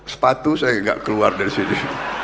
sepatu saya tidak keluar dari sini